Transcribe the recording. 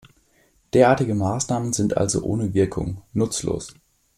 Derartige Maßnahem sind also ohne Wirkung, nutzlos.